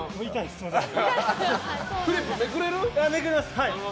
すみません。